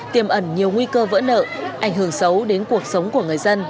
tiềm ẩn nhiều nguy cơ vỡ nợ ảnh hưởng xấu đến cuộc sống của người dân